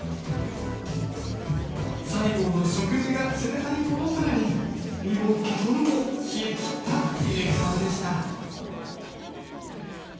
最後の食事が冷たいものとなり身も心も冷え切ったディレクターでした。